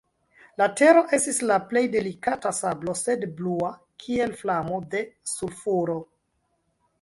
La tero estis la plej delikata sablo, sed blua, kiel flamo de sulfuro.